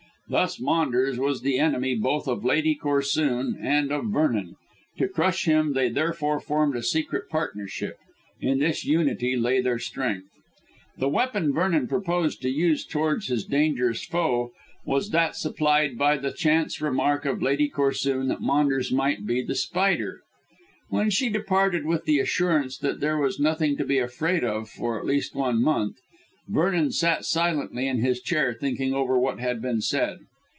Thus Maunders was the enemy both of Lady Corsoon and of Vernon: to crush him they therefore formed a secret partnership. In this unity lay their strength. The weapon Vernon proposed to use towards his dangerous foe was that supplied by the chance remark of Lady Corsoon that Maunders might be The Spider. When she departed with the assurance that there was nothing to be afraid of for at least one month, Vernon sat silently in his chair, thinking over what had been said.